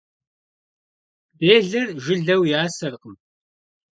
Делэр жылэу ясэркъым.